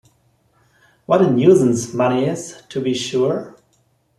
What a nuisance money is, to be sure!